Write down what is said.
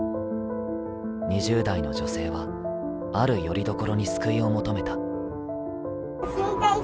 ２０代の女性は、ある拠り所に救いを求めた。